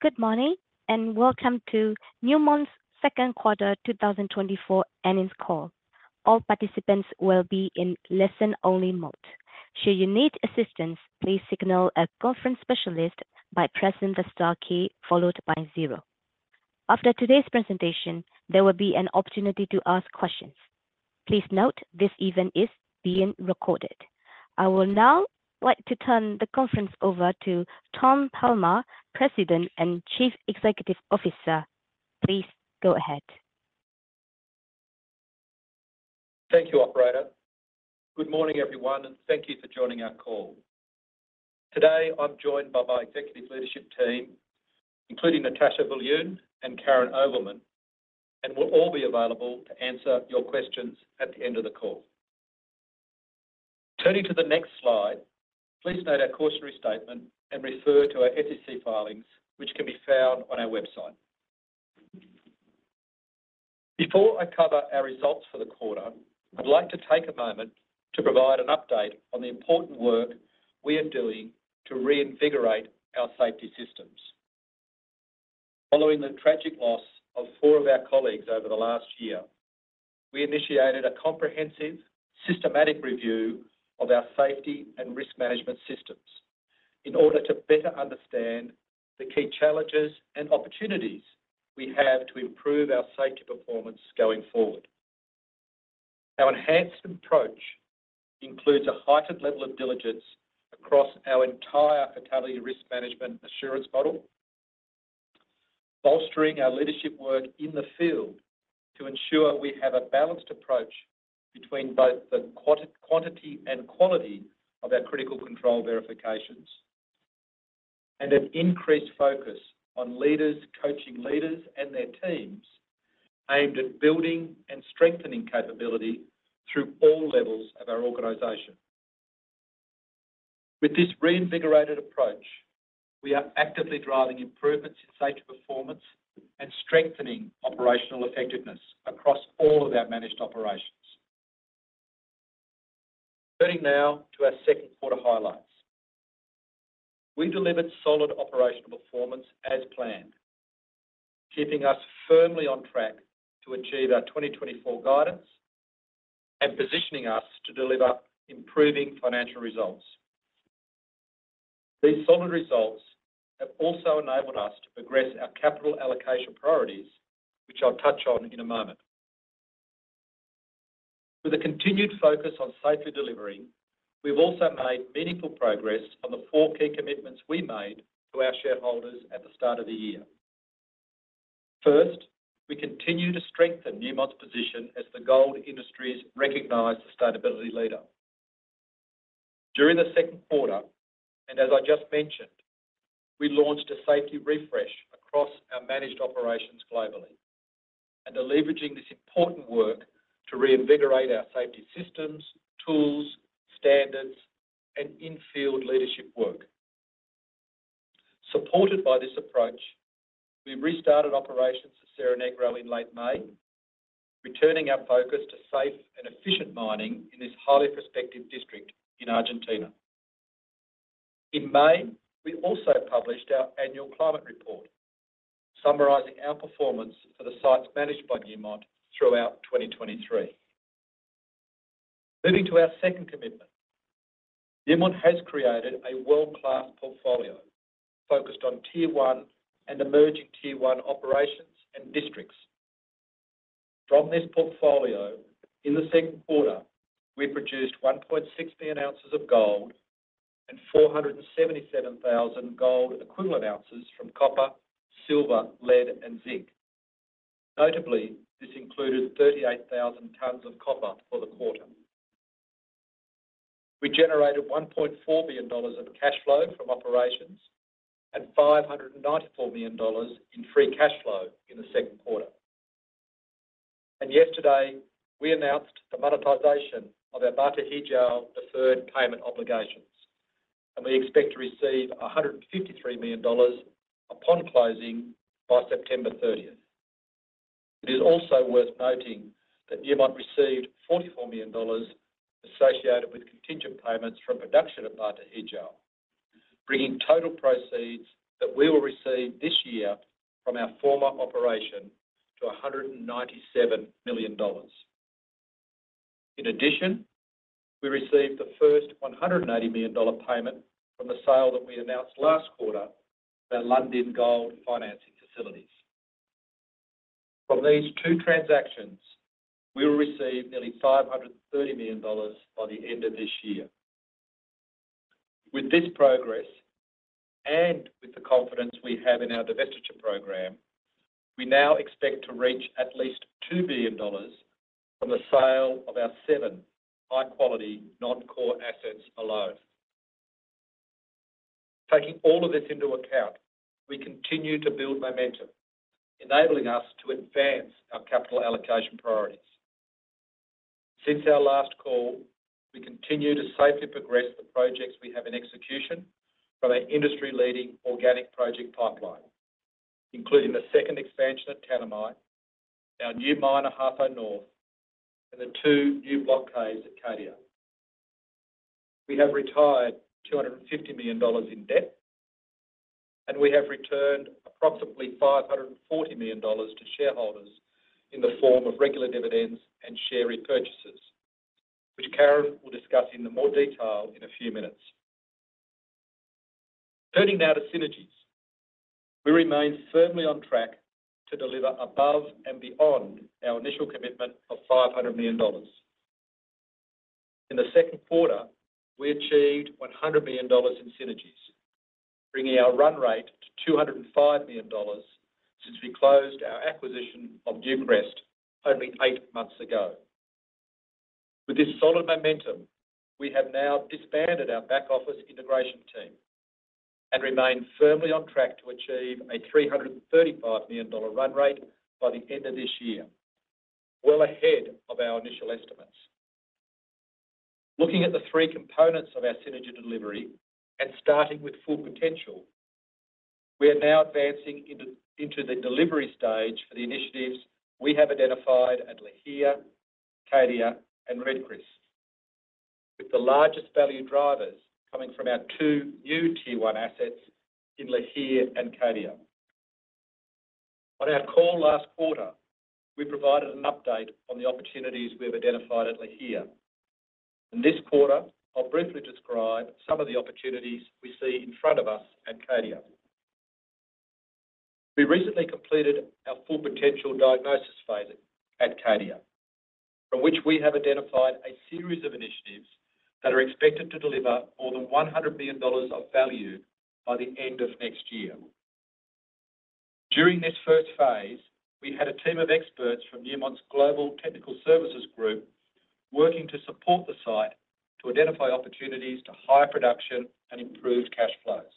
Good morning, and welcome to Newmont's Q2 2024 Earnings Call. All participants will be in listen-only mode. Should you need assistance, please signal a conference specialist by pressing the star key followed by zero. After today's presentation, there will be an opportunity to ask questions. Please note this event is being recorded. I will now like to turn the conference over to Tom Palmer, President and Chief Executive Officer. Please go ahead. Thank you, operator. Good morning, everyone, and thank you for joining our call. Today, I'm joined by my executive leadership team, including Natascha Viljoen and Karyn Ovelmen, and we'll all be available to answer your questions at the end of the call. Turning to the next slide, please note our cautionary statement and refer to our SEC filings, which can be found on our website. Before I cover our results for the quarter, I'd like to take a moment to provide an update on the important work we are doing to reinvigorate our safety systems. Following the tragic loss of four of our colleagues over the last year, we initiated a comprehensive, systematic review of our safety and risk management systems in order to better understand the key challenges and opportunities we have to improve our safety performance going forward. Our enhanced approach includes a heightened level of diligence across our entire fatality risk management assurance model, bolstering our leadership work in the field to ensure we have a balanced approach between both the quantity and quality of our critical control verifications, and an increased focus on leaders, coaching leaders and their teams, aimed at building and strengthening capability through all levels of our organization. With this reinvigorated approach, we are actively driving improvements in safety performance and strengthening operational effectiveness across all of our managed operations. Turning now to our Q2 highlights. We delivered solid operational performance as planned, keeping us firmly on track to achieve our 2024 guidance and positioning us to deliver improving financial results. These solid results have also enabled us to progress our capital allocation priorities, which I'll touch on in a moment. With a continued focus on safely delivering, we've also made meaningful progress on the four key commitments we made to our shareholders at the start of the year. First, we continue to strengthen Newmont's position as the gold industry's recognized sustainability leader. During Q2, and as I just mentioned, we launched a safety refresh across our managed operations globally and are leveraging this important work to reinvigorate our safety systems, tools, standards, and in-field leadership work. Supported by this approach, we restarted operations at Cerro Negro in late May, returning our focus to safe and efficient mining in this highly prospective district in Argentina. In May, we also published our annual climate report, summarizing our performance for the sites managed by Newmont throughout 2023. Moving to our second commitment. Newmont has created a world-class portfolio focused on Tier One and emerging Tier One operations and districts. From this portfolio, in Q2, we produced 1.6 billion ounces of gold and 477,000 gold equivalent ounces from copper, silver, lead, and zinc. Notably, this included 38,000 tons of copper for the quarter. We generated $1.4 billion of cash flow from operations and $594 million in free cash flow in Q2. And yesterday, we announced the monetization of our Batu Hijau deferred payment obligations, and we expect to receive $153 million upon closing by September 30th. It is also worth noting that Newmont received $44 million associated with contingent payments from production at Batu Hijau, bringing total proceeds that we will receive this year from our former operation to $197 million. In addition, we received the first $180 million payment from the sale that we announced last quarter, the Lundin Gold financing facilities. From these two transactions, we will receive nearly $530 million by the end of this year. With this progress, and with the confidence we have in our divestiture program, we now expect to reach at least $2 billion from the sale of our seven high-quality, non-core assets alone. Taking all of this into account, we continue to build momentum, enabling us to advance our capital allocation priorities. Since our last call, we continue to safely progress the projects we have in execution from our industry-leading organic project pipeline, including the second expansion at Tanami, our new mine Ahafo North, and the two new block caves at Cadia. We have retired $250 million in debt, and we have returned approximately $540 million to shareholders in the form of regular dividends and share repurchases, which Karyn will discuss in more detail in a few minutes. Turning now to synergies. We remain firmly on track to deliver above and beyond our initial commitment of $500 million. In Q2, we achieved $100 million in synergies, bringing our run rate to $205 million since we closed our acquisition of Newcrest only eight months ago. With this solid momentum, we have now disbanded our back office integration team and remain firmly on track to achieve a $335 million run rate by the end of this year. Well ahead of our initial estimates. Looking at the three components of our synergy delivery and starting with Full Potential, we are now advancing into the delivery stage for the initiatives we have identified at Lihir, Cadia, and Red Chris, with the largest value drivers coming from our two new Tier One assets in Lihir and Cadia. On our call last quarter, we provided an update on the opportunities we have identified at Lihir. In this quarter, I'll briefly describe some of the opportunities we see in front of us at Cadia. We recently completed our Full Potential diagnosis phase at Cadia, from which we have identified a series of initiatives that are expected to deliver more than $100 million of value by the end of next year. During this first phase, we had a team of experts from Newmont's Global Technical Services Group working to support the site to identify opportunities to higher production and improved cash flows.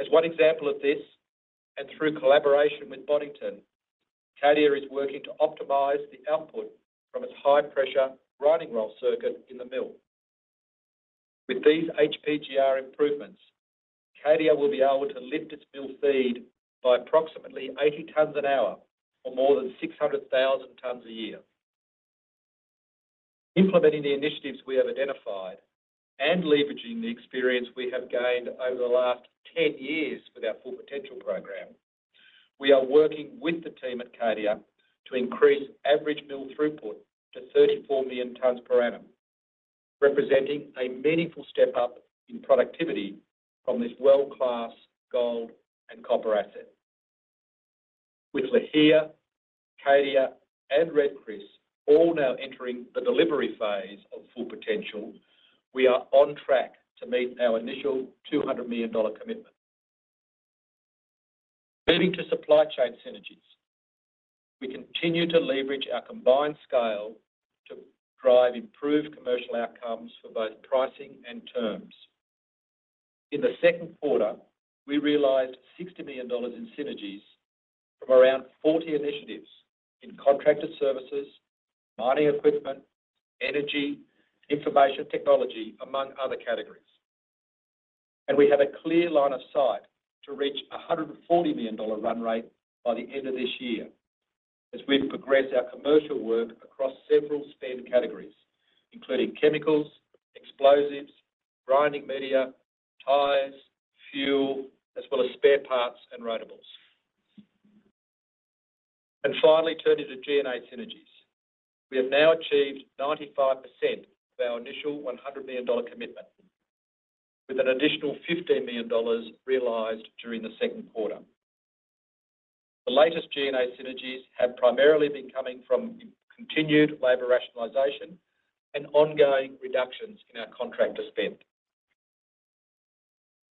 As one example of this, and through collaboration with Boddington, Cadia is working to optimize the output from its high-pressure grinding roll circuit in the mill. With these HPGR improvements, Cadia will be able to lift its mill feed by approximately 80 tons an hour, or more than 600,000 tons a year. Implementing the initiatives we have identified and leveraging the experience we have gained over the last 10 years with our Full Potential program, we are working with the team at Cadia to increase average mill throughput to 34 million tons per annum, representing a meaningful step up in productivity from this world-class gold and copper asset. With Lihir, Cadia, and Red Chris all now entering the delivery phase of Full Potential, we are on track to meet our initial $200 million commitment. Moving to supply chain synergies. We continue to leverage our combined scale to drive improved commercial outcomes for both pricing and terms. In Q2, we realized $60 million in synergies from around 40 initiatives in contracted services, mining equipment, energy, information technology, among other categories. We have a clear line of sight to reach a $140 million run rate by the end of this year as we progress our commercial work across several spend categories, including chemicals, explosives, grinding media, tires, fuel, as well as spare parts and rotables. Finally, turning to G&A synergies. We have now achieved 95% of our initial $100 million commitment, with an additional $15 million realized during Q2. The latest G&A synergies have primarily been coming from continued labor rationalization and ongoing reductions in our contractor spend.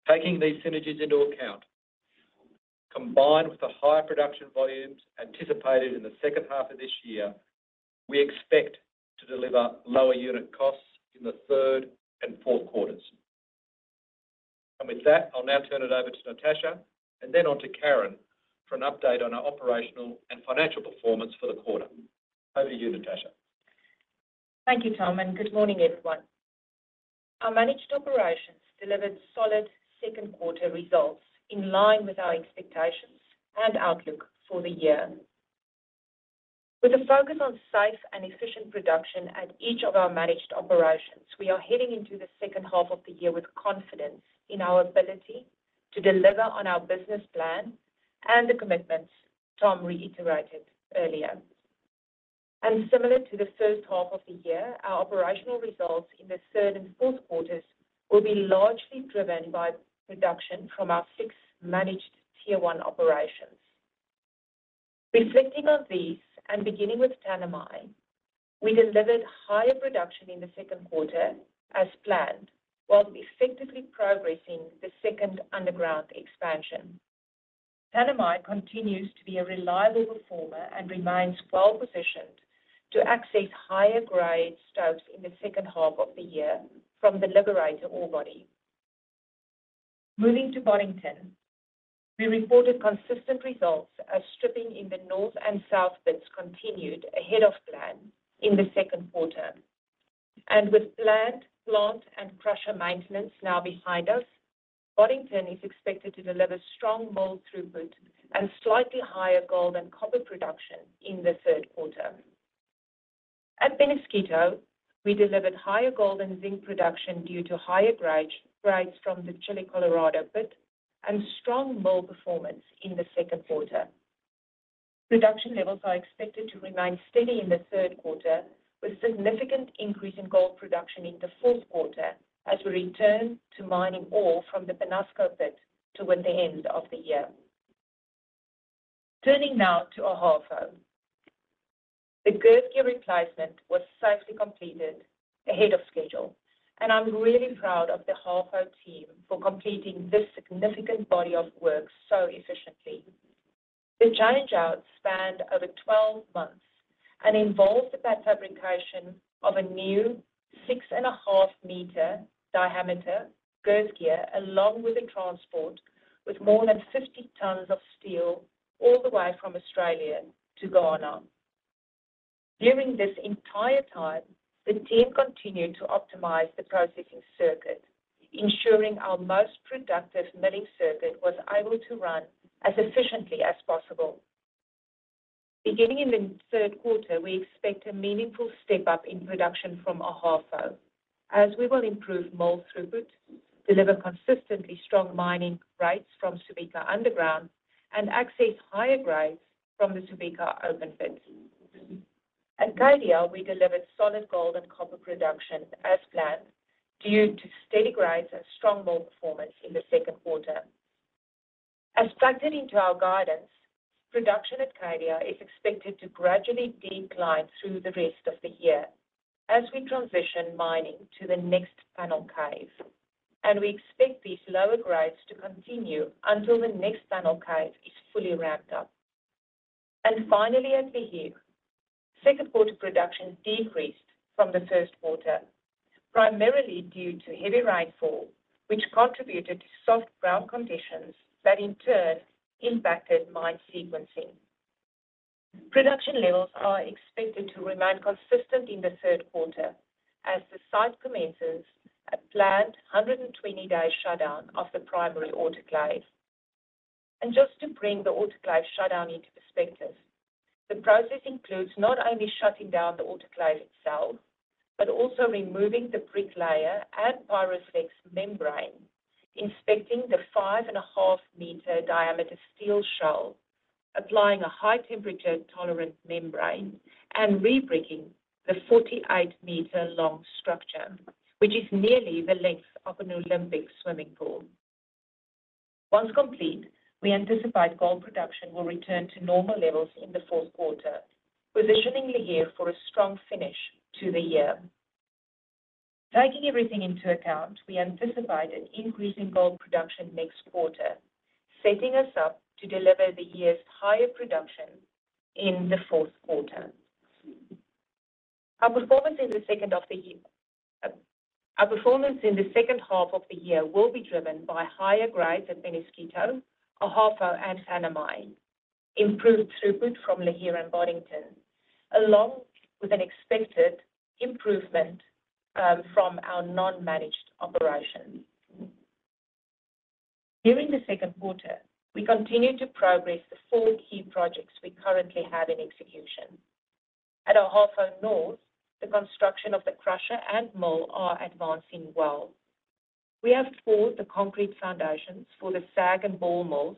Taking these synergies into account, combined with the higher production volumes anticipated in the second half of this year, we expect to deliver lower unit costs in the third and fourth quarters. And with that, I'll now turn it over to Natascha and then on to Karyn for an update on our operational and financial performance for the quarter. Over to you, Natascha. Thank you, Tom, and good morning, everyone. Our managed operations delivered solid Q2 results in line with our expectations and outlook for the year. With a focus on safe and efficient production at each of our managed operations, we are heading into the second half of the year with confidence in our ability to deliver on our business plan and the commitments Tom reiterated earlier. Similar to the first half of the year, our operational results in the third and fourth quarters will be largely driven by production from our six managed Tier One operations. Reflecting on these, and beginning with Tanami, we delivered higher production in Q2 as planned, while effectively progressing the second underground expansion. Tanami continues to be a reliable performer and remains well positioned to access higher grade stopes in the second half of the year from the Liberator ore body. Moving to Boddington, we reported consistent results as stripping in the north and south pits continued ahead of plan in Q2. And with plant and crusher maintenance now behind us, Boddington is expected to deliver strong mill throughput and slightly higher gold and copper production in Q3. At Peñasquito, we delivered higher gold and zinc production due to higher grades from the Chile Colorado pit and strong mill performance in Q2. Production levels are expected to remain steady in Q3, with significant increase in gold production in Q4 as we return to mining ore from the Peñasco pit toward the end of the year. Turning now to Ahafo. The gear replacement was safely completed ahead of schedule, and I'm really proud of the Ahafo team for completing this significant body of work so efficiently. The change-out spanned over 12 months and involved the fabrication of a new 6.5-meter diameter gear, along with the transport, with more than 50 tons of steel all the way from Australia to Ghana. During this entire time, the team continued to optimize the processing circuit, ensuring our most productive milling circuit was able to run as efficiently as possible. Beginning in Q3, we expect a meaningful step-up in production from Ahafo, as we will improve mill throughput, deliver consistently strong mining rates from Subika Underground, and access higher grades from the Subika open pit. At Cadia, we delivered solid gold and copper production as planned, due to steady grades and strong gold performance in Q2. As factored into our guidance, production at Cadia is expected to gradually decline through the rest of the year as we transition mining to the next panel cave, and we expect these lower grades to continue until the next panel cave is fully ramped up. Finally, at Lihir, Q2 production decreased from Q1, primarily due to heavy rainfall, which contributed to soft ground conditions that in turn impacted mine sequencing. Production levels are expected to remain consistent in Q3 as the site commences a planned 120-day shutdown of the primary autoclave. Just to bring the autoclave shutdown into perspective, the process includes not only shutting down the autoclave itself, but also removing the brick layer and PYROFLEX membrane, inspecting the 5.5-meter diameter steel shell, applying a high temperature-tolerant membrane, and re-bricking the 48-meter-long structure, which is nearly the length of an Olympic swimming pool. Once complete, we anticipate gold production will return to normal levels in Q4, positioning Lihir for a strong finish to the year. Taking everything into account, we anticipate an increase in gold production next quarter, setting us up to deliver the year's higher production in Q4. Our performance in the second half of the year will be driven by higher grades at Peñasquito, Ahafo, and Tanami, improved throughput from Lihir and Boddington, along with an expected improvement from our non-managed operations. During Q2, we continued to progress the four key projects we currently have in execution. At Ahafo North, the construction of the crusher and mill are advancing well. We have poured the concrete foundations for the SAG and ball mills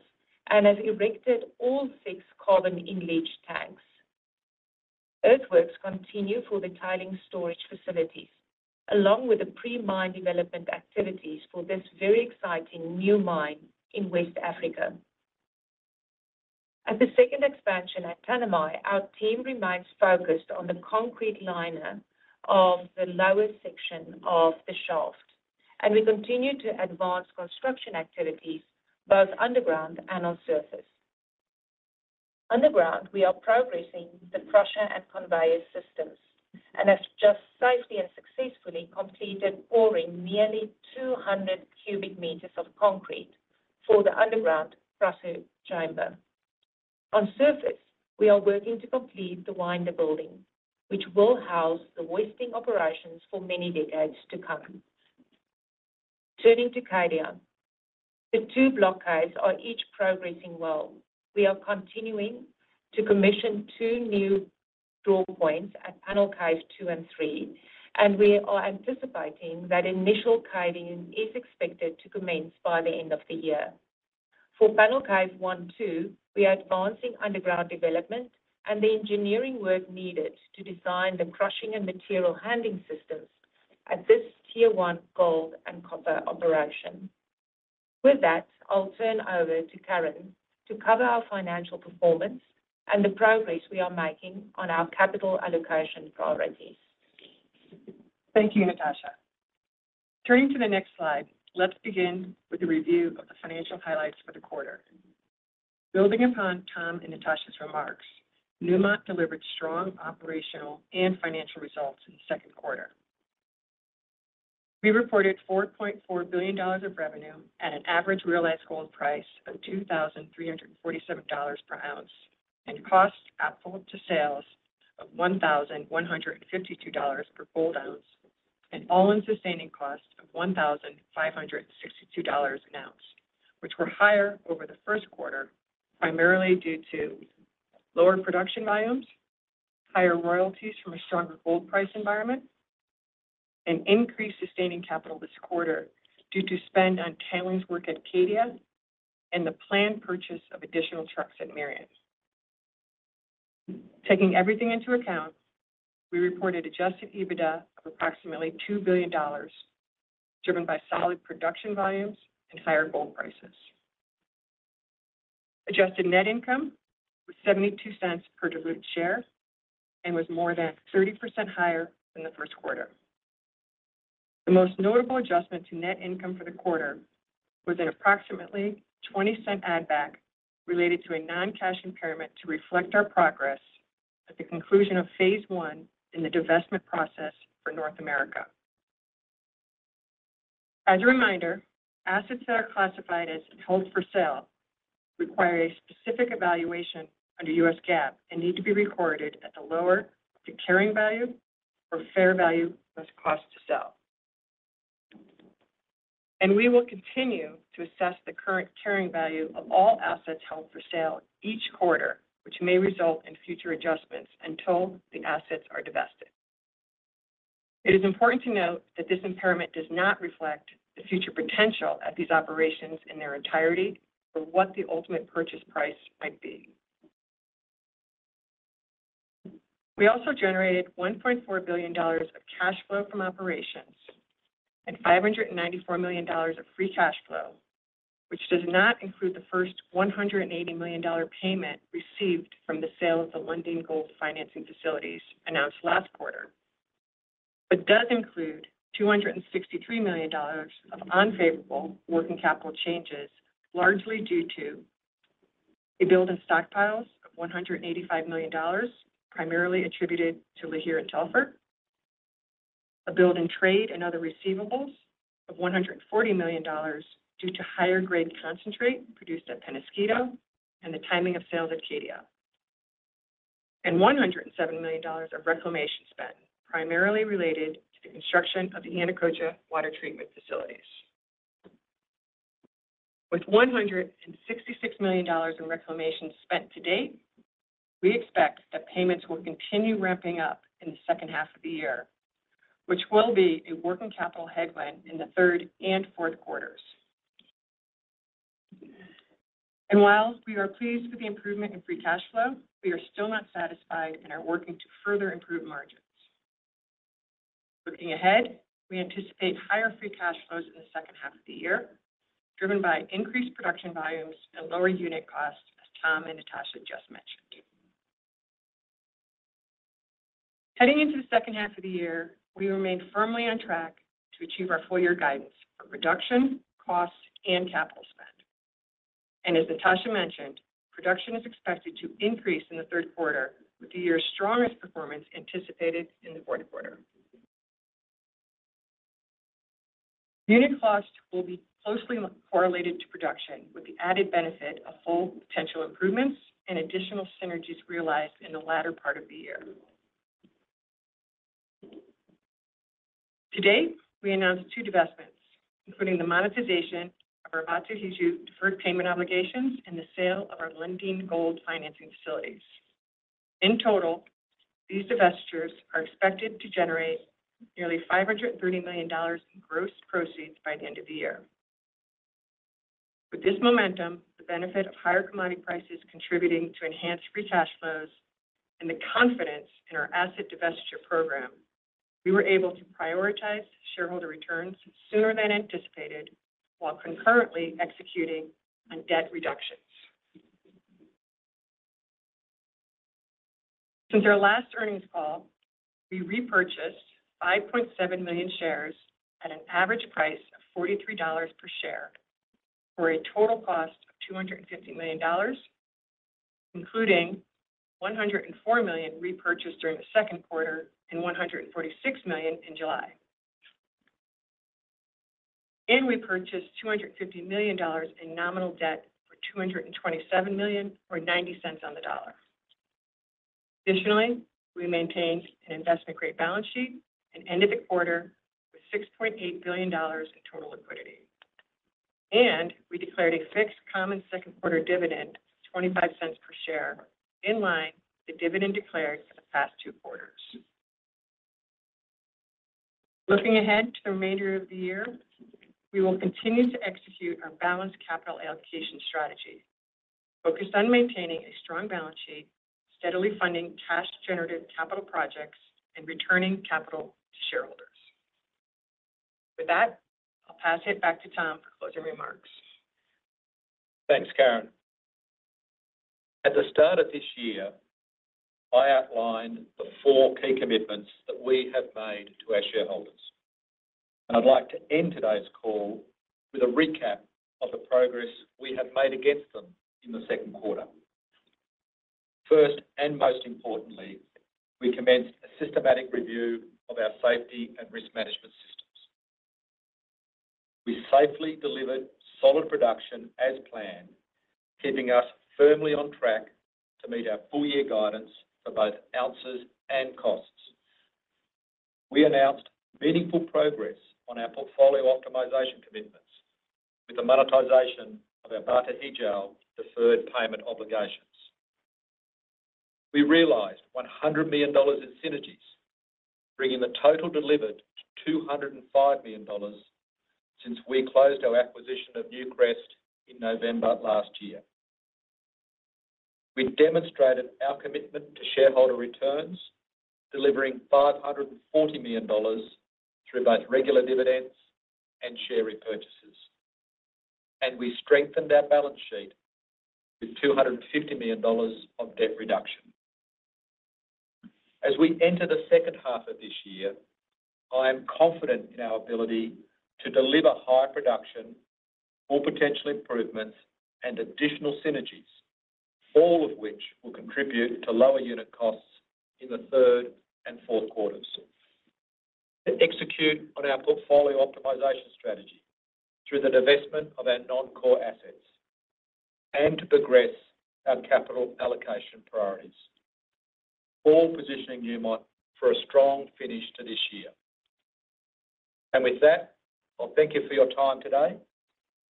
and have erected all six Carbon-in-Leach tanks. Earthworks continue for the tailings storage facilities, along with the pre-mine development activities for this very exciting new mine in West Africa. At the second expansion at Tanami, our team remains focused on the concrete liner of the lower section of the shaft, and we continue to advance construction activities both underground and on surface. Underground, we are progressing the crusher and conveyor systems and have just safely and successfully completed pouring nearly 200 cubic meters of concrete for the underground crusher chamber. On surface, we are working to complete the winder building, which will house the winding operations for many decades to come. Turning to Cadia. The 2 Block Caves are each progressing well. We are continuing to commission 2 new draw points at Panel Caves 2-3, and we are anticipating that initial caving is expected to commence by the end of the year. For Panel Cave 1-2, we are advancing underground development and the engineering work needed to design the crushing and material handling systems at this Tier One gold and copper operation. With that, I'll turn over to Karyn to cover our financial performance and the progress we are making on our capital allocation priorities. Thank you, Natascha. Turning to the next slide, let's begin with a review of the financial highlights for the quarter. Building upon Tom and Natascha's remarks, Newmont delivered strong operational and financial results in Q2. We reported $4.4 billion of revenue at an average realized gold price of $2,347 per ounce, and Costs Applicable to Sales of $1,152 per gold ounce and all-in sustaining costs of $1,562 an ounce, which were higher over Q1, primarily due to lower production volumes, higher royalties from a stronger gold price environment, and increased sustaining capital this quarter due to spend on tailings work at Cadia and the planned purchase of additional trucks at Merian. Taking everything into account, we reported Adjusted EBITDA of approximately $2 billion, driven by solid production volumes and higher gold prices. Adjusted net income was $0.72 per diluted share and was more than 30% higher than Q1. The most notable adjustment to net income for the quarter was an approximately $0.20 add-back related to a non-cash impairment to reflect our progress at the conclusion of phase I in the divestment process for North America. As a reminder, assets that are classified as held for sale require a specific evaluation under US GAAP and need to be recorded at the lower the carrying value or fair value, plus cost to sell. We will continue to assess the current carrying value of all assets held for sale each quarter, which may result in future adjustments until the assets are divested. It is important to note that this impairment does not reflect the future potential at these operations in their entirety or what the ultimate purchase price might be. We also generated $1.4 billion of cash flow from operations and $594 million of free cash flow, which does not include the first $180 million payment received from the sale of the Lundin Gold financing facilities announced last quarter. But does include $263 million of unfavorable working capital changes, largely due to a build in stockpiles of $185 million, primarily attributed to Lihir and Telfer. A build in trade and other receivables of $140 million due to higher-grade concentrate produced at Peñasquito and the timing of sales at Cadia. $170 million of reclamation spend, primarily related to the construction of the Yanacocha water treatment facilities. With $166 million in reclamation spent to date, we expect that payments will continue ramping up in the second half of the year, which will be a working capital headwind in the third and fourth quarters. While we are pleased with the improvement in free cash flow, we are still not satisfied and are working to further improve margins. Looking ahead, we anticipate higher free cash flows in the second half of the year, driven by increased production volumes and lower unit costs, as Tom and Natascha just mentioned. Heading into the second half of the year, we remain firmly on track to achieve our full year guidance for production, costs, and capital spend. And as Natascha mentioned, production is expected to increase in Q3, with the year's strongest performance anticipated in Q4. Unit cost will be closely correlated to production, with the added benefit of Full Potential improvements and additional synergies realized in the latter part of the year. Today, we announced two divestments, including the monetization of our Batu Hijau deferred payment obligations and the sale of our Lundin Gold financing facilities. In total, these divestitures are expected to generate nearly $530 million in gross proceeds by the end of the year. With this momentum, the benefit of higher commodity prices contributing to enhanced free cash flows and the confidence in our asset divestiture program, we were able to prioritize shareholder returns sooner than anticipated, while concurrently executing on debt reductions. Since our last earnings call, we repurchased 5.7 million shares at an average price of $43 per share, for a total cost of $250 million, including $104 million repurchased during Q2 and $146 million in July. We purchased $250 million in nominal debt for $227 million or $0.90 on the dollar. Additionally, we maintained an investment-grade balance sheet and ended the quarter with $6.8 billion in total liquidity. We declared a fixed common Q2 dividend of $0.25 per share, in line with the dividend declared for the past two quarters. Looking ahead to the remainder of the year, we will continue to execute our balanced capital allocation strategy, focused on maintaining a strong balance sheet, steadily funding cash generative capital projects, and returning capital to shareholders. With that, I'll pass it back to Tom for closing remarks. Thanks, Karyn. At the start of this year, I outlined the four key commitments that we have made to our shareholders, and I'd like to end today's call with a recap of the progress we have made against them in Q2. First, and most importantly, we commenced a systematic review of our safety and risk management systems. We safely delivered solid production as planned, keeping us firmly on track to meet our full-year guidance for both ounces and costs. We announced meaningful progress on our portfolio optimization commitments with the monetization of our Batu Hijau deferred payment obligations. We realized $100 million in synergies, bringing the total delivered to $205 million since we closed our acquisition of Newcrest in November last year. We demonstrated our commitment to shareholder returns, delivering $540 million through both regular dividends and share repurchases, and we strengthened our balance sheet with $250 million of debt reduction. As we enter the second half of this year, I am confident in our ability to deliver high production more potential improvements and additional synergies, all of which will contribute to lower unit costs in the third and fourth quarters. To execute on our portfolio optimization strategy through the divestment of our non-core assets and to progress our capital allocation priorities, all positioning Newmont for a strong finish to this year. With that, I'll thank you for your time today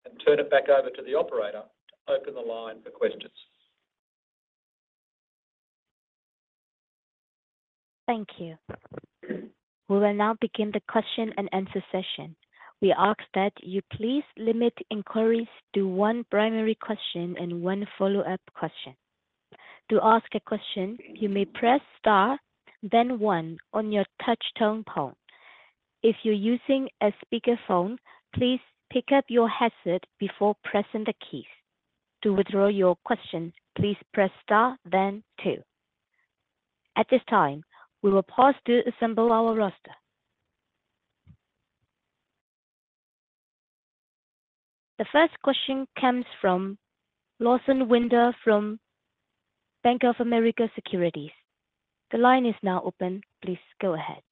and turn it back over to the operator to open the line for questions. Thank you. We will now begin the question and answer session. We ask that you please limit inquiries to one primary question and one follow-up question. To ask a question, you may press star, then one on your touch tone phone. If you're using a speakerphone, please pick up your headset before pressing the keys. To withdraw your question, please press star then two. At this time, we will pause to assemble our roster. The first question comes from Lawson Winder from Bank of America Securities. The line is now open. Please go ahead.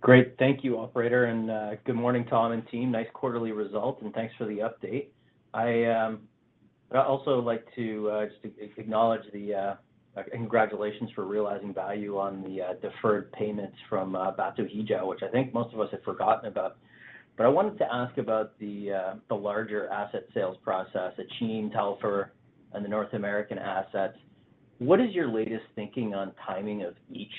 Great. Thank you, operator, and good morning, Tom and team. Nice quarterly result, and thanks for the update. I'd also like to just acknowledge the congratulations for realizing value on the deferred payments from Batu Hijau, which I think most of us have forgotten about. But I wanted to ask about the larger asset sales process, Akyem, Telfer, and the North American assets. What is your latest thinking on timing of each?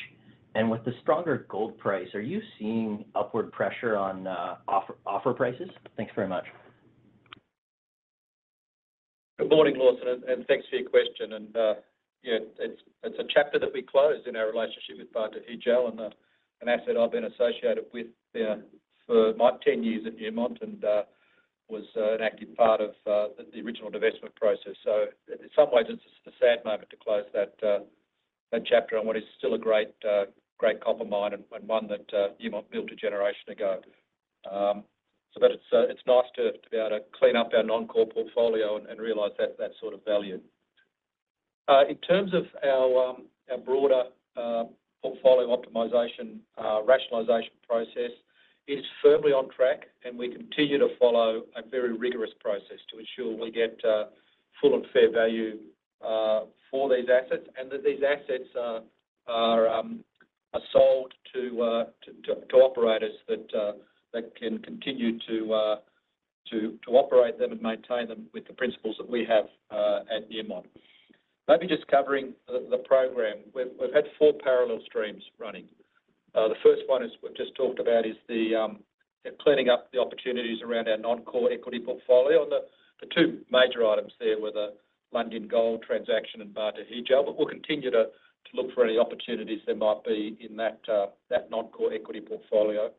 And with the stronger gold price, are you seeing upward pressure on offer prices? Thanks very much. Good morning, Lawson, and thanks for your question. And, yeah, it's a chapter that we closed in our relationship with Batu Hijau and an asset I've been associated with for my 10 years at Newmont and was an active part of the original divestment process. So in some ways, it's a sad moment to close that chapter on what is still a great copper mine and one that Newmont built a generation ago. So but it's nice to be able to clean up our non-core portfolio and realize that sort of value. In terms of our broader portfolio optimization rationalization process, it is firmly on track, and we continue to follow a very rigorous process to ensure we get full and fair value for these assets, and that these assets are sold to operators that can continue to operate them and maintain them with the principles that we have at Newmont. Maybe just covering the program. We've had four parallel streams running. The first one is we've just talked about is the cleaning up the opportunities around our non-core equity portfolio. And the two major items there were the Lundin Gold transaction and Batu Hijau, but we'll continue to look for any opportunities there might be in that non-core equity portfolio.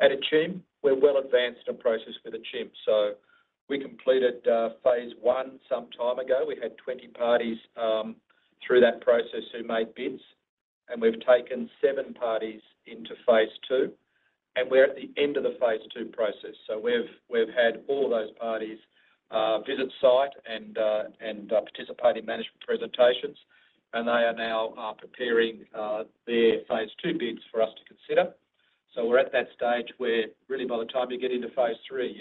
At Akyem, we're well advanced in a process with Akyem. We completed phase I some time ago. We had 20 parties through that process who made bids, and we've taken seven parties into phase II, and we're at the end of the phase II process. We've had all those parties visit site and participate in management presentations, and they are now preparing their phase II bids for us to consider. We're at that stage where really by the time you get into phase III,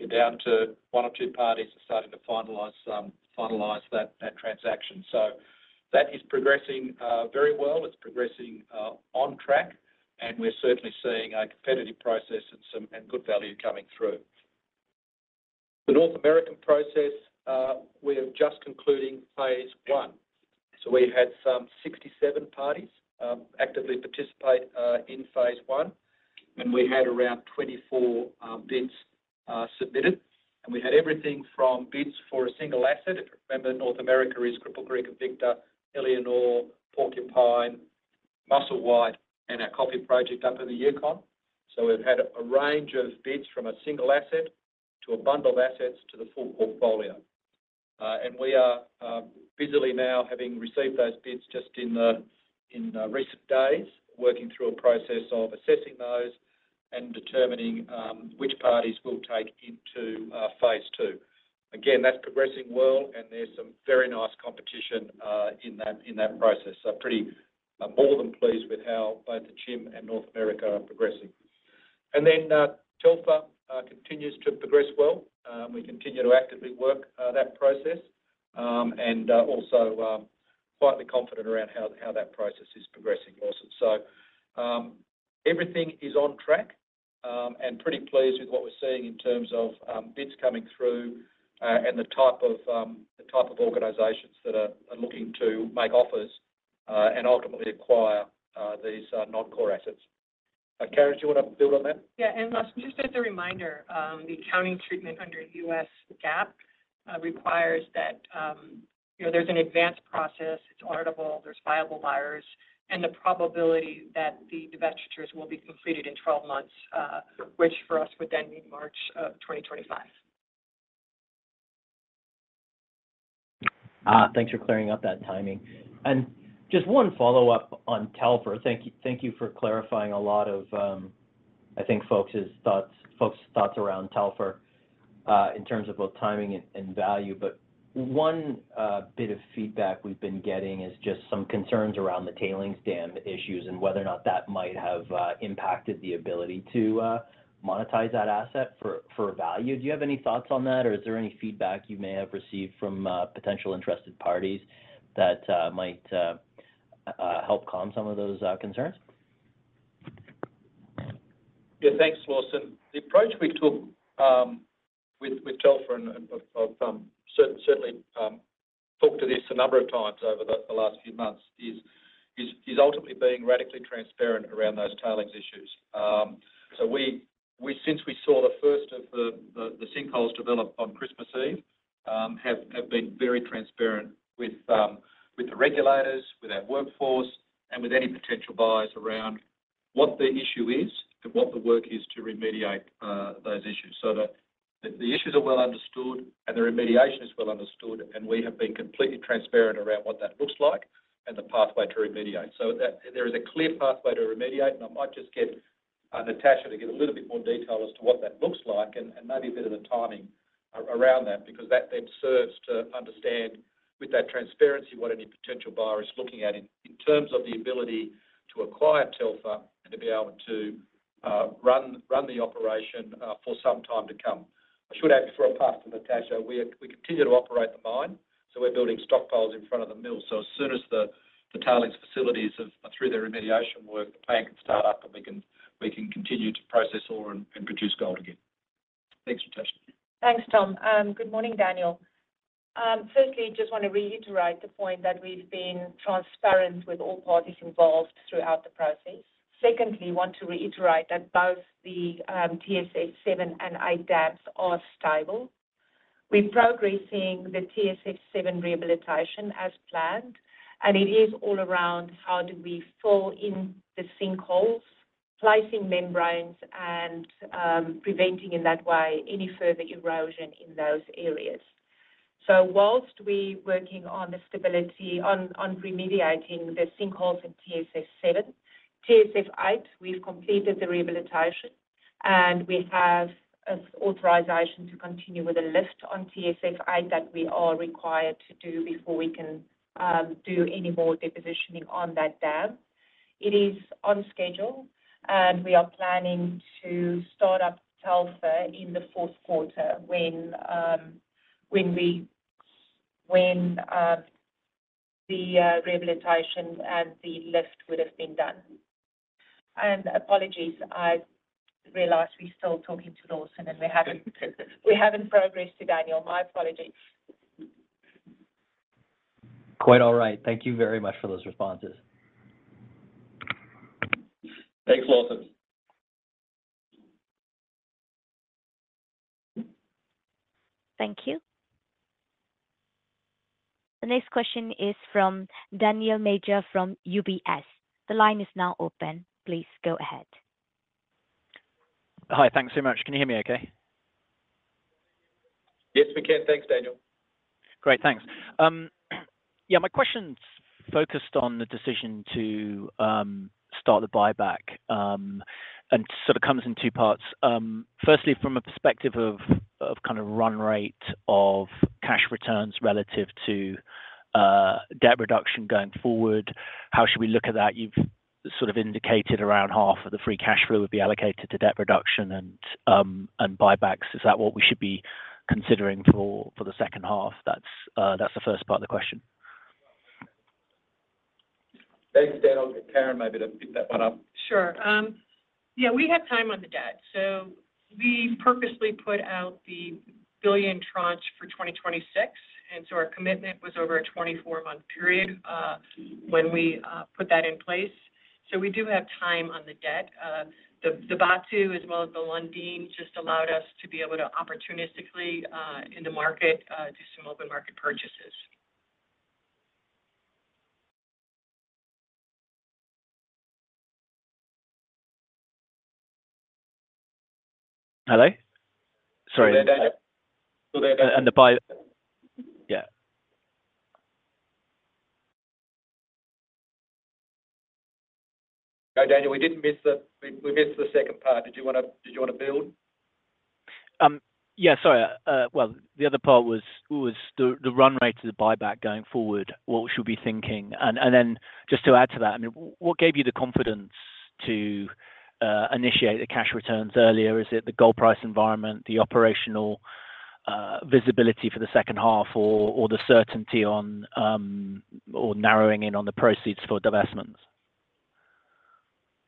you're down to one or two parties starting to finalize that transaction. That is progressing very well. It's progressing on track, and we're certainly seeing a competitive process and some good value coming through. The North American process, we are just concluding phase I. So we've had some 67 parties actively participate in phase I, and we had around 24 bids submitted, and we had everything from bids for a single asset. Remember, North America is Cripple Creek & Victor, Éléonore, Porcupine, Musselwhite, and our Coffee Project up in the Yukon. So we've had a range of bids from a single asset to a bundle of assets to the full portfolio. And we are busily now, having received those bids just in the recent days, working through a process of assessing those and determining which parties we'll take into phase II. Again, that's progressing well, and there's some very nice competition in that process. So I'm pretty, I'm more than pleased with how both Akyem and North America are progressing. And then, Telfer continues to progress well. We continue to actively work that process, and also quietly confident around how that process is progressing also. So, everything is on track, and pretty pleased with what we're seeing in terms of bids coming through, and the type of organizations that are looking to make offers, and ultimately acquire these non-core assets. Karyn, do you want to build on that? Yeah. And Lawson, just as a reminder, the accounting treatment under US GAAP requires that, you know, there's an advanced process, it's auditable, there's viable buyers, and the probability that the divestitures will be completed in 12 months, which for us would then be March 2025. Thanks for clearing up that timing. Just one follow-up on Telfer. Thank you for clarifying a lot of, I think, folks' thoughts around Telfer in terms of both timing and value. One bit of feedback we've been getting is just some concerns around the tailings dam issues and whether or not that might have impacted the ability to monetize that asset for value. Do you have any thoughts on that, or is there any feedback you may have received from potential interested parties that might help calm some of those concerns? Yeah. Thanks, Lawson. The approach we took with Telfer, and I've certainly talked to this a number of times over the last few months, is ultimately being radically transparent around those tailings issues. So we—since we saw the first of the sinkholes develop on Christmas Eve, have been very transparent with the regulators, with our workforce, and with any potential buyers around what the issue is and what the work is to remediate those issues. So the issues are well understood, and the remediation is well understood, and we have been completely transparent around what that looks like and the pathway to remediate. So that there is a clear pathway to remediate, and I might just get Natascha to give a little bit more detail as to what that looks like and maybe a bit of the timing around that, because that then serves to understand, with that transparency, what any potential buyer is looking at in terms of the ability to acquire Telfer and to be able to run the operation for some time to come. I should add before I pass to Natascha, we continue to operate the mine, so we're building stockpiles in front of the mill. So as soon as the tailings facilities are through their remediation work, the plant can start up, and we can continue to process ore and produce gold again. Thanks, Natascha. Thanks, Tom. Good morning, Daniel. Firstly, just want to reiterate the point that we've been transparent with all parties involved throughout the process. Secondly, want to reiterate that both the TSF 7 and 8 dams are stable. We're progressing the TSF 7 rehabilitation as planned, and it is all around how do we fill in the sinkholes, placing membranes and preventing, in that way, any further erosion in those areas. So while we're working on the stability on remediating the sinkholes in TSF 7, TSF 8, we've completed the rehabilitation, and we have authorization to continue with the lift on TSF 8 that we are required to do before we can do any more depositioning on that dam. It is on schedule, and we are planning to start up Telfer in Q4 when the rehabilitation and the lift would have been done. And apologies, I realize we're still talking to Lawson, and we haven't progressed to Daniel. My apologies. Quite all right. Thank you very much for those responses. Thanks, Lawson. Thank you. The next question is from Daniel Major, from UBS. The line is now open. Please go ahead. Hi. Thanks so much. Can you hear me okay? Yes, we can. Thanks, Daniel. Great. Thanks. Yeah, my question's focused on the decision to start the buyback, and so it comes in two parts. Firstly, from a perspective of kind of run rate of cash returns relative to debt reduction going forward, how should we look at that? You've sort of indicated around half of the free cash flow would be allocated to debt reduction and buybacks. Is that what we should be considering for the second half? That's the first part of the question. Thanks, Daniel. Karyn, maybe to pick that one up. Sure. Yeah, we have time on the debt, so we purposely put out the $1 billion tranche for 2026, and so our commitment was over a 24-month period, when we put that in place. So we do have time on the debt. The, the Batu, as well as the Lundin, just allowed us to be able to opportunistically, in the market, do some open market purchases. Hello? Sorry and the buy. Yeah. So Daniel, we didn't miss the second part. Did you wanna build? Yeah, sorry. Well, the other part was the run rate to the buyback going forward, what we should be thinking? And then just to add to that, I mean, what gave you the confidence to initiate the cash returns earlier? Is it the gold price environment, the operational visibility for the second half, or the certainty on or narrowing in on the proceeds for divestments?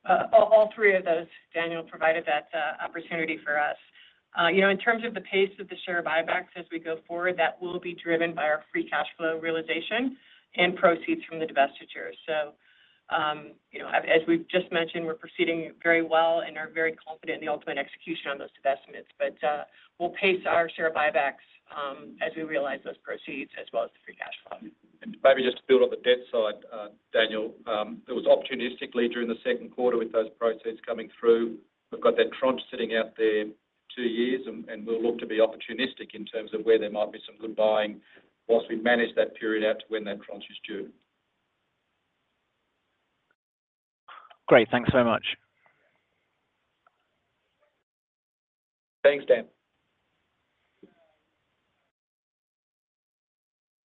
All three of those, Daniel, provided that opportunity for us. You know, in terms of the pace of the share buybacks as we go forward, that will be driven by our free cash flow realization and proceeds from the divestitures. So, you know, as we've just mentioned, we're proceeding very well and are very confident in the ultimate execution on those divestments. But we'll pace our share buybacks as we realize those proceeds, as well as the free cash flow. Maybe just to build on the debt side, Daniel, it was opportunistically during Q2 with those proceeds coming through. We've got that tranche sitting out there two years and, and we'll look to be opportunistic in terms of where there might be some good buying whilst we manage that period out to when that tranche is due. Great. Thanks so much. Thanks, Dan.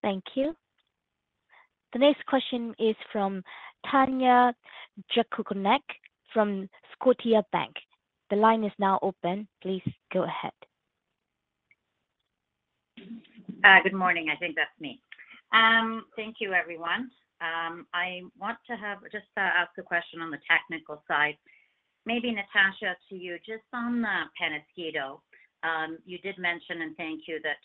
Thank you. The next question is from Tanya Jakusconek from Scotiabank. The line is now open. Please go ahead. Good morning, I think that's me. Thank you, everyone. I want to have just ask a question on the technical side. Maybe, Natascha, to you, just on Peñasquito. You did mention, and thank you, that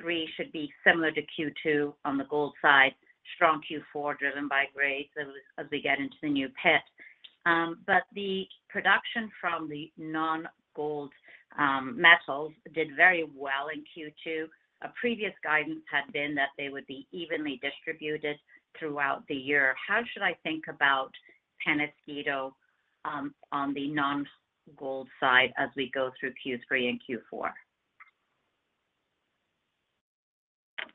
Q3 should be similar to Q2 on the gold side, strong Q4, driven by grades as we get into the new pit. But the production from the non-gold metals did very well in Q2. A previous guidance had been that they would be evenly distributed throughout the year. How should I think about Peñasquito on the non-gold side as we go through Q3 and Q4?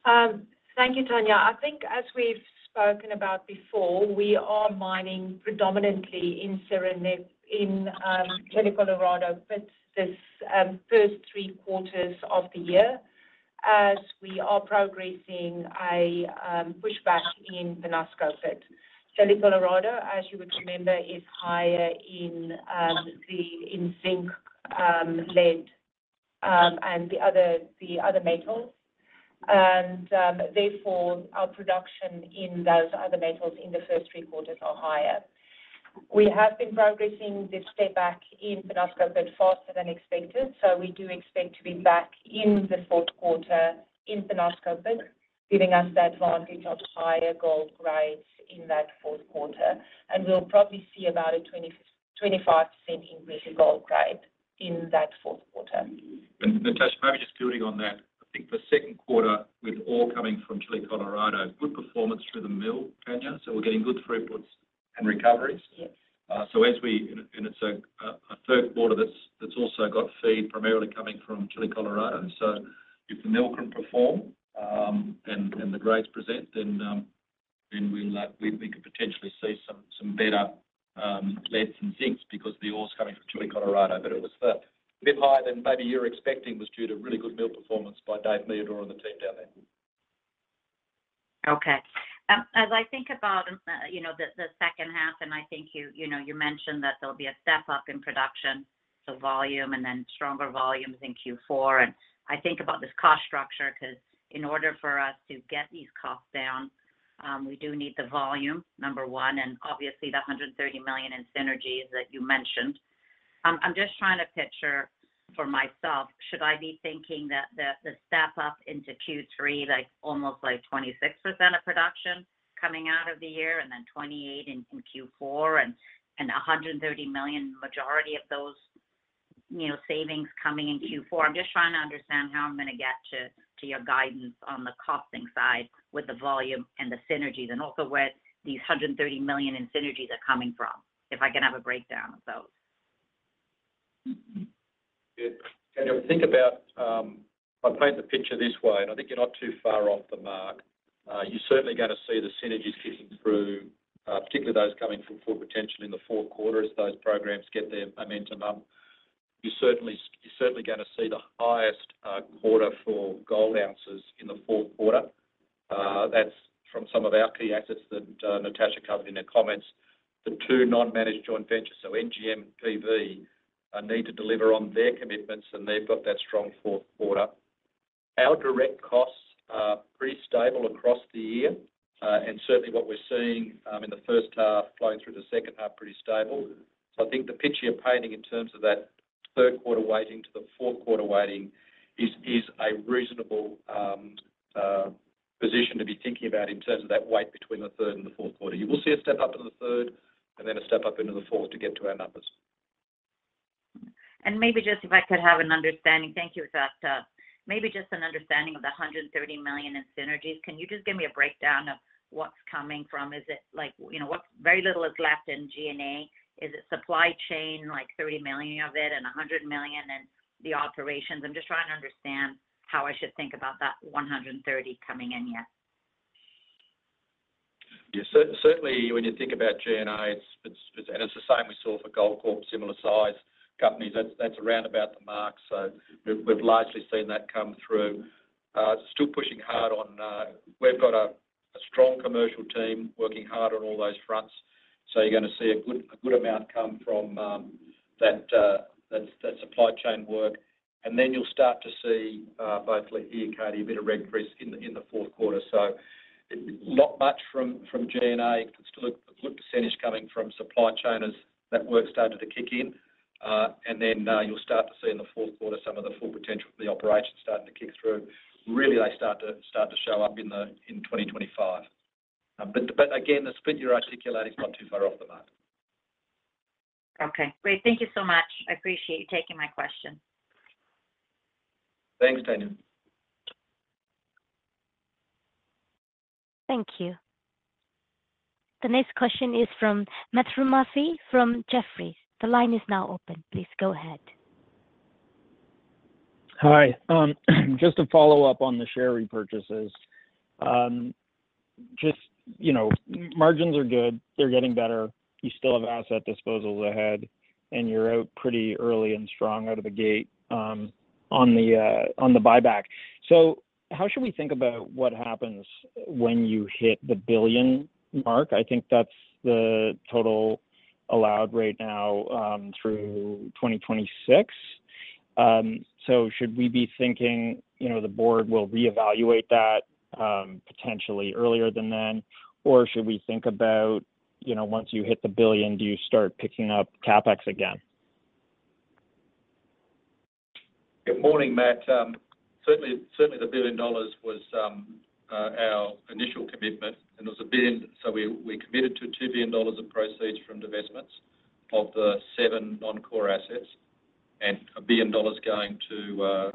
Thank you, Tanya. I think as we've spoken about before, we are mining predominantly in Chile Colorado, but this first three quarters of the year, as we are progressing a pushback in the Peñasquito pit. Chile Colorado, as you would remember, is higher in the, in zinc, lead, and the other, the other metals. And therefore, our production in those other metals in the first three quarters are higher. We have been progressing this step back in Peñasquito pit faster than expected, so we do expect to be back in Q4 in Peñasquito, giving us the advantage of higher gold grades in that Q4. And we'll probably see about a 20-25% increase in gold grade in that Q4. Natascha, maybe just building on that, I think Q2, with ore coming from Chile Colorado, good performance through the mill, Tanya, so we're getting good throughputs and recoveries. Yes. So, and it's a Q3 that's also got feed primarily coming from Chile Colorado. So if the mill can perform, and the grades present, then we could potentially see some better leads and zincs because the ore's coming from Chile Colorado. But it was a bit higher than maybe you're expecting, was due to really good mill performance by Dave Meador and the team down there. Okay. As I think about, you know, the second half, and I think you, you know, you mentioned that there'll be a step up in production, so volume and then stronger volumes in Q4. And I think about this cost structure, 'cause in order for us to get these costs down, we do need the volume, number one, and obviously the $130 million in synergies that you mentioned. I'm just trying to picture for myself, should I be thinking that the step up into Q3, like almost like 26% of production coming out of the year and then 28% in Q4 and a $130 million, majority of those, you know, savings coming in Q4? I'm just trying to understand how I'm gonna get to your guidance on the costing side with the volume and the synergies, and also where these $130 million in synergies are coming from, if I can have a breakdown of those. Good. Tanya, think about if I paint the picture this way, and I think you're not too far off the mark. You're certainly gonna see the synergies kicking through, particularly those coming from Full Potential in Q4 as those programs get their momentum up. You're certainly, you're certainly gonna see the highest quarter for gold ounces in Q4. That's from some of our key assets that Natascha covered in her comments. The two non-managed joint ventures, so NGM, PV, need to deliver on their commitments, and they've got that strong Q4. Our direct costs are pretty stable across the year, and certainly what we're seeing in the first half flowing through the second half, pretty stable. I think the picture you're painting in terms of that Q3 weighting to Q4 weighting is a reasonable position to be thinking about in terms of that weight between the third and Q4. You will see a step up in the third and then a step up into the fourth to get to our numbers. Maybe just if I could have an understanding. Thank you for that, maybe just an understanding of the $130 million in synergies. Can you just give me a breakdown of what's coming from? Is it like, you know, what's. Very little is left in G&A. Is it supply chain, like $30 million of it and $100 million in the operations? I'm just trying to understand how I should think about that 130 coming in yet. Yes, certainly, when you think about G&A, it's the same we saw for Goldcorp, similar size companies. That's around about the mark, so we've largely seen that come through. Still pushing hard on, we've got a strong commercial team working hard on all those fronts. So you're gonna see a good amount come from that supply chain work. And then you'll start to see both here, Katie, a bit of Red Chris in Q4. So not much from G&A. Still a good percentage coming from supply chain as that work started to kick in. And then you'll start to see in Q4 some of the Full Potential of the operation starting to kick through. Really, they start to show up in 2025. But again, the split you're articulating is not too far off the mark. Okay, great. Thank you so much. I appreciate you taking my question. Thanks, Tanya. Thank you. The next question is from Matt Murphy from Jefferies. The line is now open. Please go ahead. Hi. Just to follow up on the share repurchases. Just, you know, margins are good, they're getting better. You still have asset disposals ahead, and you're out pretty early and strong out of the gate, on the buyback. So how should we think about what happens when you hit the $1 billion mark? I think that's the total allowed right now, through 2026. So should we be thinking, you know, the board will reevaluate that, potentially earlier than then? Or should we think about, you know, once you hit the $1 billion, do you start picking up CapEx again? Good morning, Matt. Certainly the $1 billion was our initial commitment, and it was $1 billion. So we committed to $2 billion of proceeds from divestments of the seven non-core assets, and $1 billion going to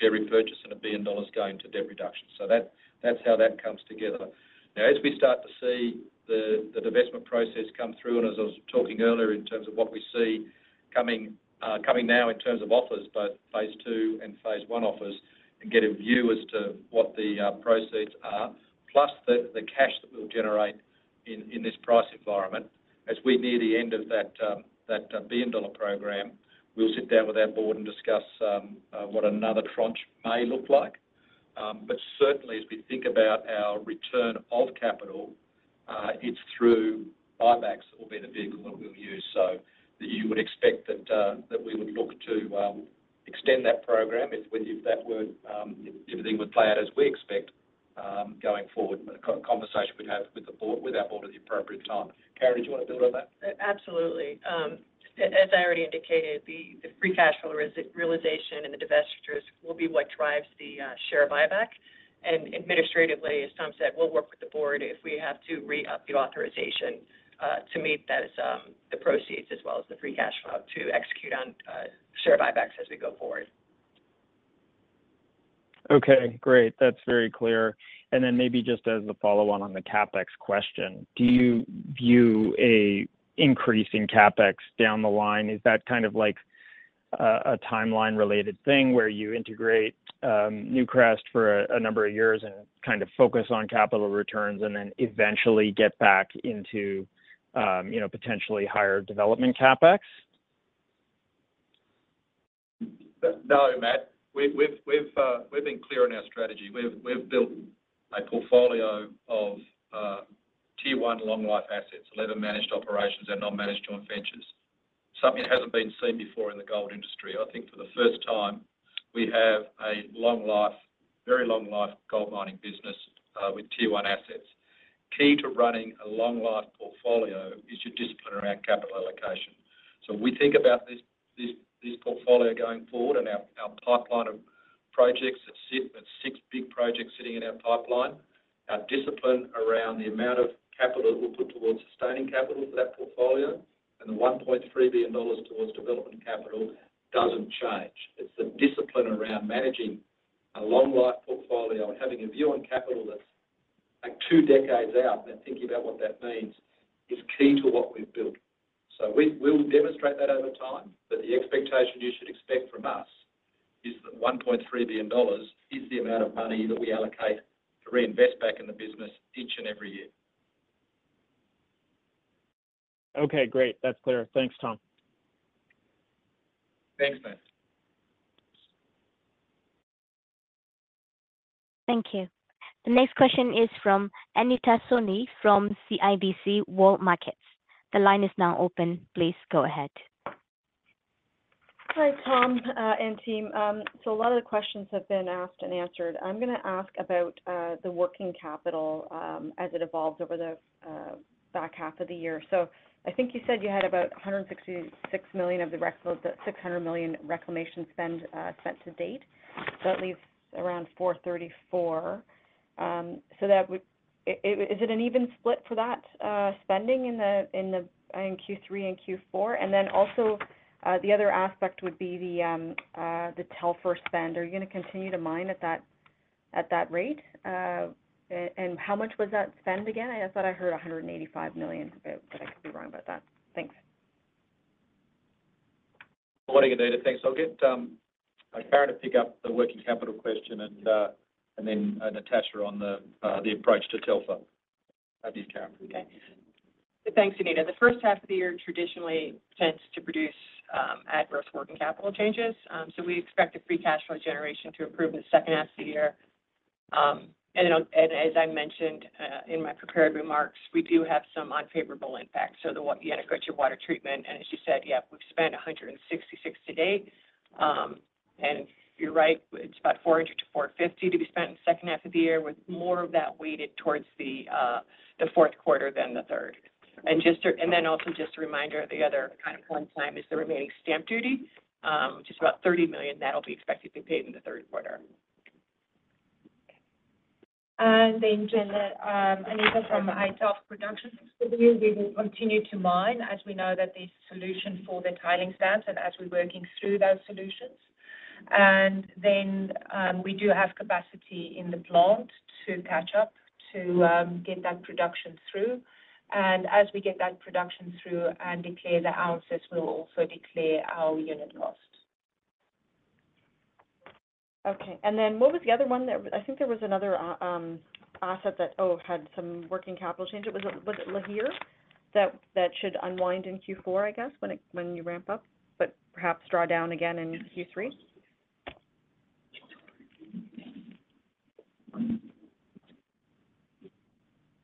share repurchase and $1 billion going to debt reduction. So that's how that comes together. Now, as we start to see the divestment process come through, and as I was talking earlier, in terms of what we see coming now in terms of offers, both phase II and phase I offers, and get a view as to what the proceeds are, plus the cash that we'll generate in this price environment. As we near the end of that billion-dollar program, we'll sit down with our board and discuss what another tranche may look like. But certainly, as we think about our return of capital, it's through buybacks that will be the vehicle that we'll use. So you would expect that we would look to extend that program if everything would play out as we expect going forward. But a conversation we'd have with the board, with our board at the appropriate time. Karyn, do you want to build on that? Absolutely. As I already indicated, the free cash flow realization and the divestitures will be what drives the share buyback. Administratively, as Tom said, we'll work with the board if we have to re-up the authorization to meet those proceeds as well as the free cash flow to execute on share buybacks as we go forward. Okay, great. That's very clear. And then maybe just as a follow-on on the CapEx question, do you view an increase in CapEx down the line? Is that kind of like a timeline-related thing, where you integrate Newcrest for a number of years and kind of focus on capital returns and then eventually get back into, you know, potentially higher development CapEx? No, Matt, we've been clear on our strategy. We've built a portfolio of Tier One long-life assets, 11 managed operations and non-managed joint ventures. Something that hasn't been seen before in the gold industry. I think for the first time, we have a long-life, very long-life gold mining business with Tier One assets. Key to running a long-life portfolio is your discipline around capital allocation. So we think about this portfolio going forward and our pipeline of projects that sit, that six big projects sitting in our pipeline. Our discipline around the amount of capital that we'll put towards sustaining capital for that portfolio, and the $1.3 billion towards development capital doesn't change. It's the discipline around managing a long-life portfolio and having a view on capital that's, like, two decades out and thinking about what that means is key to what we've built. So we'll demonstrate that over time, but the expectation you should expect from us is that $1.3 billion is the amount of money that we allocate to reinvest back in the business each and every year. Okay, great. That's clear. Thanks, Tom. Thanks, Matt. Thank you. The next question is from Anita Soni from CIBC World Markets. The line is now open. Please go ahead. Hi, Tom, and team. So a lot of the questions have been asked and answered. I'm gonna ask about the working capital as it evolves over the back half of the year. So I think you said you had about $166 million of the $600 million reclamation spend spent to date. So that leaves around $434 million. So that would. is it an even split for that spending in Q3 and Q4? And then also, the other aspect would be the Telfer spend. Are you gonna continue to mine at that rate? And how much was that spend again? I thought I heard $185 million, but I could be wrong about that. Thanks. Good morning, Anita. Thanks. I'll get Karyn to pick up the working capital question, and then Natascha on the approach to Telfer. Over to you, Karyn. Okay. Thanks, Anita. The first half of the year traditionally tends to produce adverse working capital changes. So we expect the free cash flow generation to improve in the second half of the year. And as I mentioned in my prepared remarks, we do have some unfavorable impacts. So the Yanacocha water treatment, and as you said, yeah, we've spent $166 million to date. And you're right, it's about $400 million-$450 million to be spent in the second half of the year, with more of that weighted towards Q4 than the third. And then also just a reminder, the other kind of one time is the remaining stamp duty, which is about $30 million. That'll be expected to be paid in Q3. And in general, and even from height of production, we believe we will continue to mine, as we know that there's a solution for the tailings dams and as we're working through those solutions. And then, we do have capacity in the plant to catch up, to get that production through. And as we get that production through and declare the ounces, we'll also declare our unit costs. Okay. And then what was the other one there? I think there was another asset that, oh, had some working capital change. It was, was it Lihir that, that should unwind in Q4, I guess, when it, when you ramp up, but perhaps draw down again in Q3?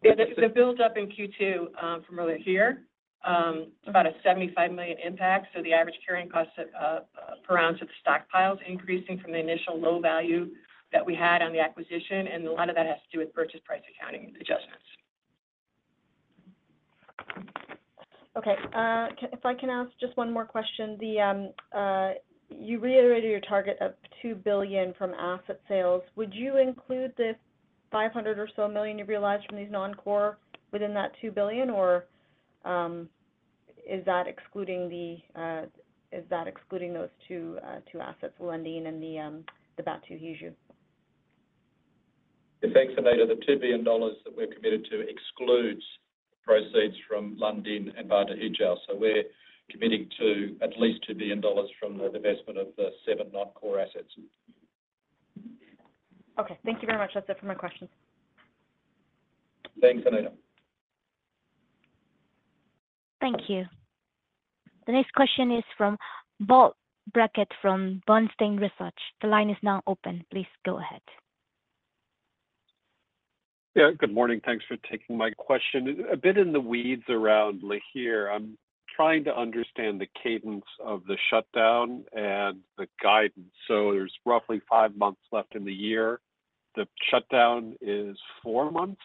Yeah. The buildup in Q2 from Lihir, it's about a $75 million impact. So the average carrying cost per ounce of the stockpiles increasing from the initial low value that we had on the acquisition, and a lot of that has to do with purchase price accounting adjustments. Okay. If I can ask just one more question, the, you reiterated your target of $2 billion from asset sales. Would you include this $500 million or so you've realized from these non-core within that $2 billion? Or, is that excluding the, is that excluding those two, two assets, Lundin and the, the Batu Hijau? Yeah. Thanks, Anita. The $2 billion that we're committed to excludes proceeds from Lundin and Batu Hijau. So we're committing to at least $2 billion from the divestment of the seven non-core assets. Okay. Thank you very much. That's it for my questions. Thanks, Anita. Thank you. The next question is from Bob Brackett. The line is now open. Please go ahead. Yeah, good morning. Thanks for taking my question. A bit in the weeds around Lihir. I'm trying to understand the cadence of the shutdown and the guidance. So there's roughly five months left in the year. The shutdown is four months,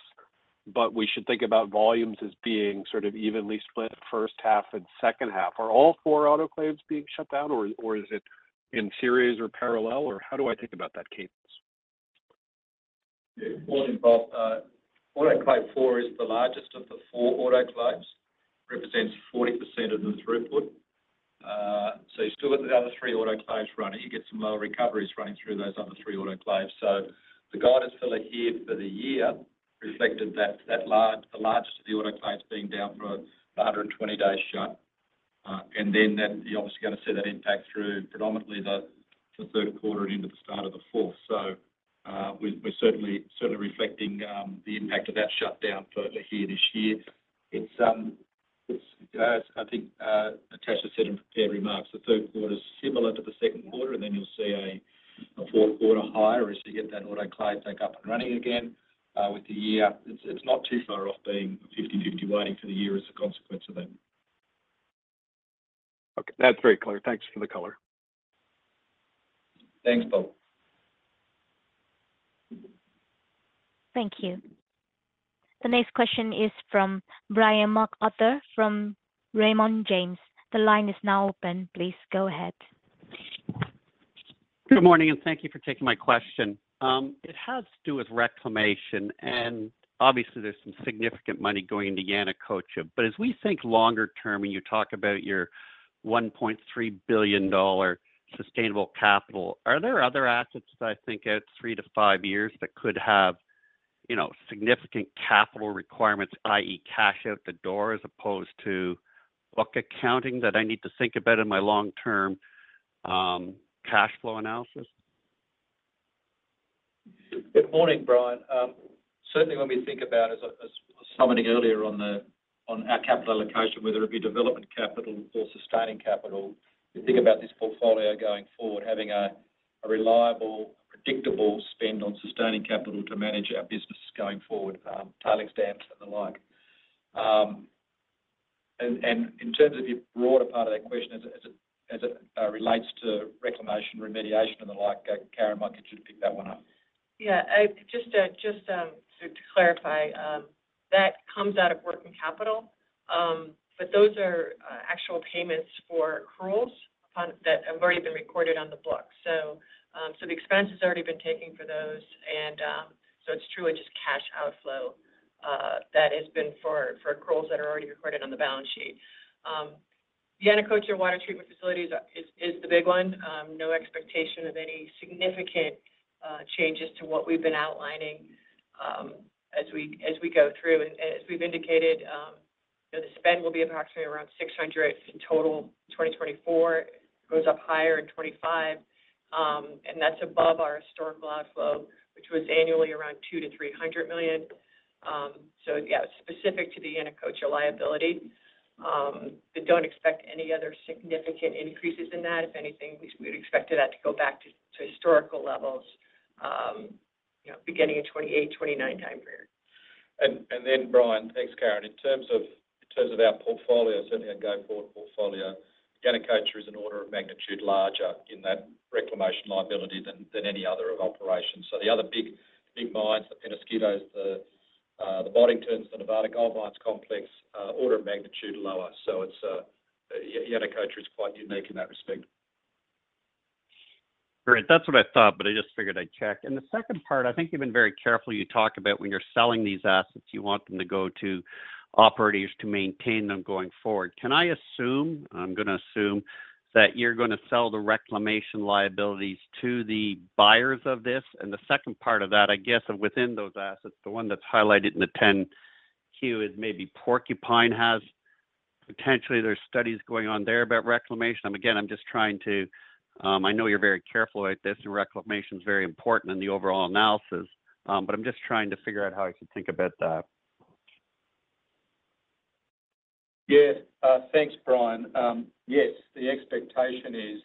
but we should think about volumes as being sort of evenly split, first half and second half. Are all four autoclaves being shut down, or, or is it in series or parallel, or how do I think about that cadence? Yeah. Morning, Bob. Autoclave four is the largest of the four autoclaves, represents 40% of the throughput. So you still got the other three autoclaves running. You get some low recoveries running through those other three autoclaves. So the guidance for Lihir for the year reflected that, that large, the largest of the autoclaves being down for 120 days shut. And then that, you're obviously gonna see that impact through predominantly the, Q3 into the start of the fourth. So, we're, we're certainly, certainly reflecting the impact of that shutdown for Lihir this year. It's, I think, Natascha said in prepared remarks, Q3 is similar to Q2, and then you'll see a, a Q4 higher as you get that autoclave back up and running again. With the year, it's not too far off being 50/50 weighting for the year as a consequence of that. Okay. That's very clear. Thanks for the color. Thanks, Bob. Thank you. The next question is from Brian MacArthur from Raymond James. The line is now open. Please go ahead. Good morning, and thank you for taking my question. It has to do with reclamation, and obviously there's some significant money going into Yanacocha. But as we think longer term, and you talk about your $1.3 billion sustainable capital, are there other assets that I think at 3-5 years that could have, you know, significant capital requirements, i.e., cash out the door, as opposed to book accounting, that I need to think about in my long-term cash flow analysis? Good morning, Brian. Certainly when we think about, as I mentioned earlier on our capital allocation, whether it be development capital or sustaining capital, we think about this portfolio going forward, having a reliable, predictable spend on sustaining capital to manage our business going forward, tailings dams and the like. And in terms of your broader part of that question, as it relates to reclamation, remediation, and the like, Karyn, I might get you to pick that one up. Yeah, just to clarify, that comes out of working capital. But those are actual payments for accruals that have already been recorded on the books. So, the expense has already been taken for those, and, so it's truly just cash outflow that has been for accruals that are already recorded on the balance sheet. The Yanacocha water treatment facilities is the big one. No expectation of any significant changes to what we've been outlining.. as we go through and as we've indicated, you know, the spend will be approximately around $600 million in total. 2024 goes up higher in 2025, and that's above our historical outflow, which was annually around $200 million-$300 million. So yeah, specific to the Yanacocha liability, but don't expect any other significant increases in that. If anything, we'd expect that to go back to historical levels, you know, beginning of 2028, 2029 time period. And then, Brian, thanks, Karyn. In terms of our portfolio, certainly our go-forward portfolio, Yanacocha is an order of magnitude larger in that reclamation liability than any other operations. So the other big mines, the Peñasquito, the Boddington, the Nevada Gold Mines complex, order of magnitude lower. So it's Yanacocha is quite unique in that respect. Great. That's what I thought, but I just figured I'd check. And the second part, I think you've been very careful. You talked about when you're selling these assets, you want them to go to operators to maintain them going forward. Can I assume, I'm gonna assume, that you're gonna sell the reclamation liabilities to the buyers of this? And the second part of that, I guess, within those assets, the one that's highlighted in the 10-Q is maybe Porcupine has potentially there's studies going on there about reclamation. Again, I'm just trying to, I know you're very careful about this, and reclamation is very important in the overall analysis, but I'm just trying to figure out how I should think about that. Yeah. Thanks, Brian. Yes, the expectation is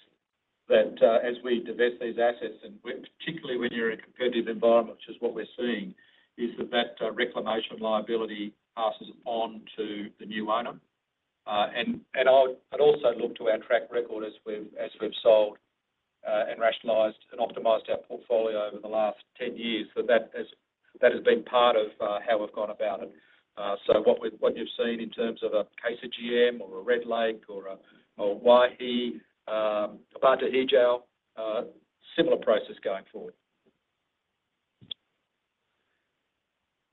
that, as we divest these assets, and when, particularly when you're in a competitive environment, which is what we're seeing, that reclamation liability passes on to the new owner. And I'd also look to our track record as we've sold, and rationalized and optimized our portfolio over the last 10 years, that has been part of how we've gone about it. So what you've seen in terms of a case of KCGM or a Red Lake or a Waihi, Batu Hijau, similar process going forward.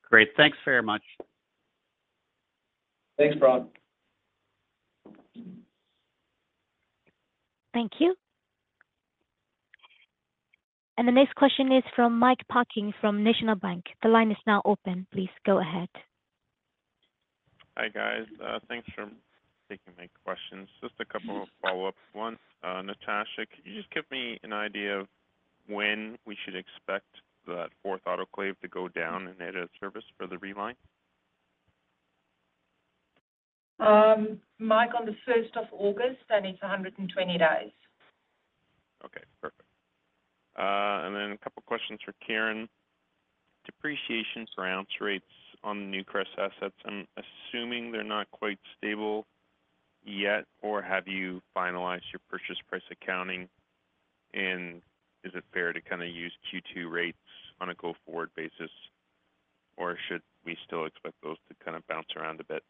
Great. Thanks very much. Thanks, Brian. Thank you. The next question is from Mike Parkin from National Bank. The line is now open. Please go ahead. Hi, guys. Thanks for taking my questions. Just a couple of follow-ups. One, Natascha, could you just give me an idea of when we should expect that fourth autoclave to go down and out of service for the reline? Mike, on the first of August, and it's 120 days. Okay, perfect. And then a couple of questions for Karyn. Depreciation per ounce rates on Newcrest assets, I'm assuming they're not quite stable yet, or have you finalized your purchase price accounting? And is it fair to kinda use Q2 rates on a go-forward basis, or should we still expect those to kind of bounce around a bit?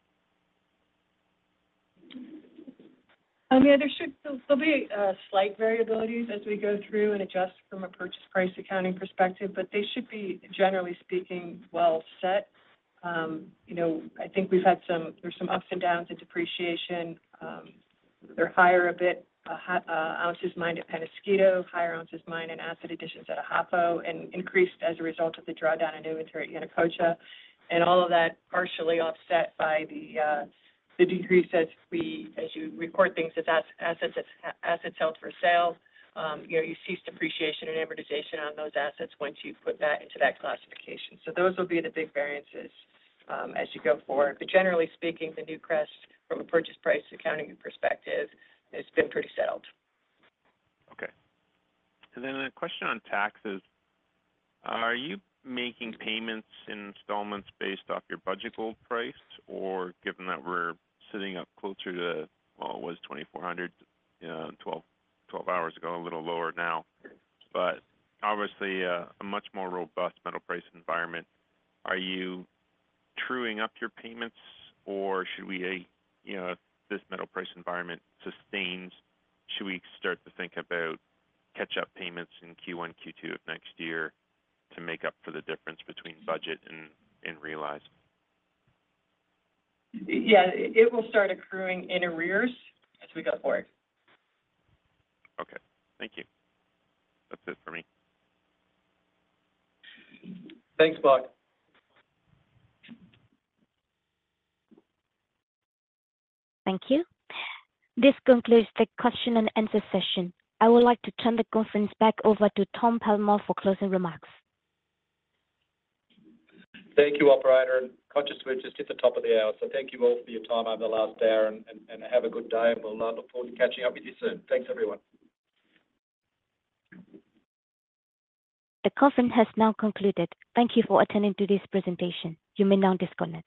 Yeah, there should be slight variabilities as we go through and adjust from a purchase price accounting perspective, but they should be, generally speaking, well set. You know, I think we've had some, there's some ups and downs in depreciation. They're higher a bit, ounces mined at Peñasquito, higher ounces mined at asset additions at Ahafo, and increased as a result of the drawdown in inventory at Yanacocha. And all of that partially offset by the decrease as we, as you record things, as assets held for sale. You know, you cease depreciation and amortization on those assets once you've put that into that classification. So those will be the big variances, as you go forward. But generally speaking, the Newcrest from a purchase price accounting perspective, has been pretty settled. Okay. Then a question on taxes: Are you making payments in installments based off your budget gold price? Or given that we're sitting up closer to, well, it was $2,400 12 hours ago, a little lower now, but obviously a much more robust metal price environment. Are you truing up your payments, or should we, you know, if this metal price environment sustains, should we start to think about catch-up payments in Q1, Q2 of next year to make up for the difference between budget and realized? Yeah, it will start accruing in arrears as we go forward. Okay. Thank you. That's it for me. Thanks, Mike. Thank you. This concludes the question and answer session. I would like to turn the conference back over to Tom Palmer for closing remarks. Thank you, operator. And, conscious we've just hit the top of the hour, so thank you all for your time over the last hour, and have a good day, and we'll look forward to catching up with you soon. Thanks, everyone. The conference has now concluded. Thank you for attending today's presentation. You may now disconnect.